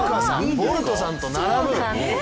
ボルトさんと並ぶ。